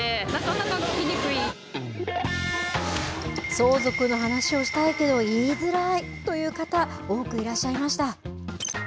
相続の話をしたいけど言いづらいという方、多くいらっしゃいました。